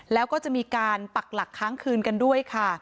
แล้วก็จะมีการปักหลักค้างคืนกันด้วยค่ะ